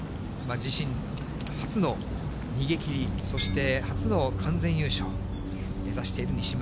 自身初の逃げきり、そして初の完全優勝、目指している西村。